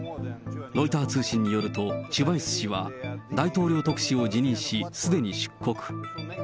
ロイター通信によると、チュバイス氏は大統領特使を辞任し、すでに出国。